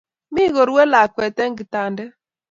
Mi korue lakwet eng kitandet